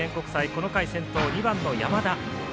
この回先頭、２番の山田。